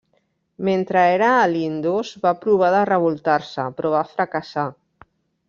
Mentre era a l'Indus, va provar de revoltar-se però va fracassar.